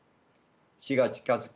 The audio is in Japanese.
死が近づき